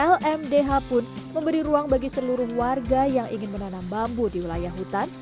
lmdh pun memberi ruang bagi seluruh warga yang ingin menanam bambu di wilayah hutan